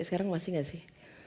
sekarang masih gak sih